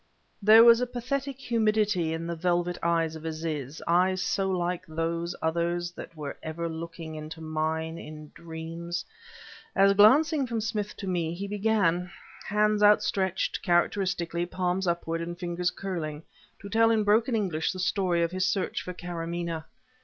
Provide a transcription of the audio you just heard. There was a pathetic humidity in the velvet eyes of Aziz eyes so like those others that were ever looking into mine in dreams as glancing from Smith to me he began, hands outstretched, characteristically, palms upward and fingers curling, to tell in broken English the story of his search for Karamaneh...